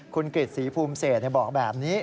คุณกริจศรีภูมิเศษบอกแบบนี้